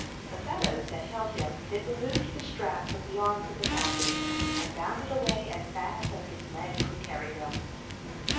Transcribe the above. The fellow that held him then removed the strap from the arms of the captive, and bounded away as fast as his legs would carry him.